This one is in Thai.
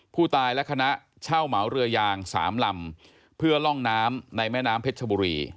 ผู้ตายและคณะเช่าเหมาเรือยางสามลำเพื่อล่องน้ำในแม่น้ำเพชรชบุรี